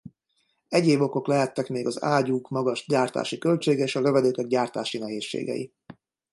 Egyéb okok lehettek még az ágyúk magas gyártási költsége és a lövedékek gyártási nehézségei.